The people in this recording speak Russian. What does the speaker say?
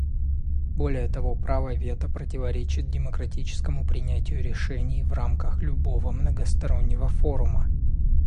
Более того, право вето противоречит демократическому принятию решений в рамках любого многостороннего форума.